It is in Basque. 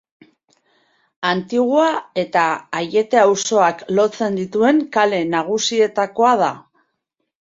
Antigua eta Aiete auzoak lotzen dituen kale nagusietakoa da.